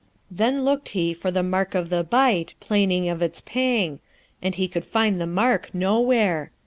Then looked he for the mark of the bite, plaining of its pang, and he could find the mark nowhere.